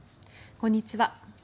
こんにちは。